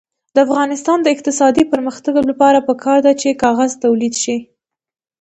د افغانستان د اقتصادي پرمختګ لپاره پکار ده چې کاغذ تولید شي.